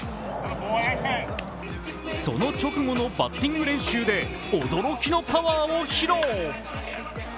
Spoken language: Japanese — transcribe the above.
その直後のバッティング練習で驚きのパワーを披露。